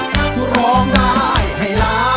สวัสดีค่ะ